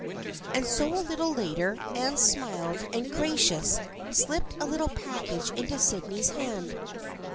And so a little later, Anne, smiling and gracious, slipped a little package into Sydney's hand.